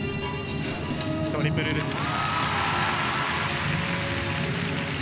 トリプルルッツ。